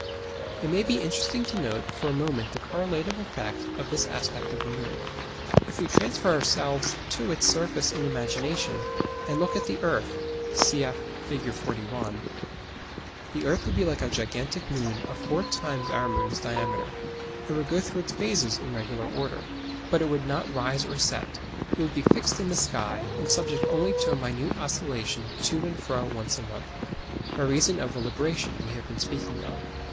It may be interesting to note for a moment the correlative effect of this aspect of the moon, if we transfer ourselves to its surface in imagination, and look at the earth (cf. Fig. 41). The earth would be like a gigantic moon of four times our moon's diameter, and would go through its phases in regular order. But it would not rise or set: it would be fixed in the sky, and subject only to a minute oscillation to and fro once a month, by reason of the "libration" we have been speaking of.